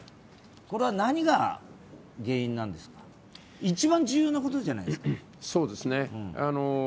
これは何が原因なんですか、一番重要なことじゃないですか。